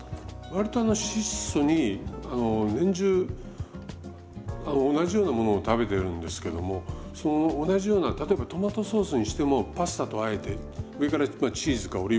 割と質素に年中同じようなものを食べてるんですけどもその同じような例えばトマトソースにしてもパスタとあえて上からチーズかオリーブオイルをかける。